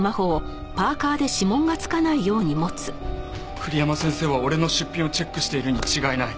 栗山先生は俺の出品をチェックしているに違いない。